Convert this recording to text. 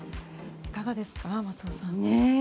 いかがですか、松尾さん。